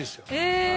へえ！